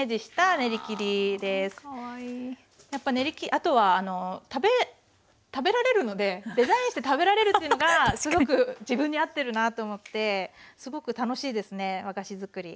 あとはあの食べられるのでデザインして食べられるというのがすごく自分に合ってるなと思ってすごく楽しいですね和菓子作り。